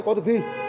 có thực thi